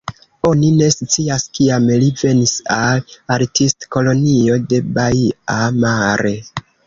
Oni ne scias, kiam li venis al Artistkolonio de Baia Mare.